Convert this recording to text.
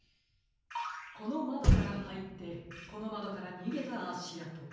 このまどからはいってこのまどからにげたあしあと。